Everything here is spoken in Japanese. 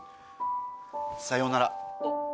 さようなら。